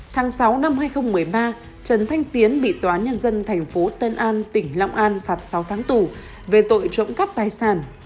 trần thanh tiến bị tòa nhân dân tp tân an tỉnh lọng an phạt sáu tháng tù về tội trộm cắp tài sản